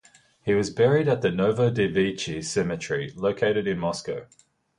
He was buried at the Novodevichy Cemetery located in Moscow.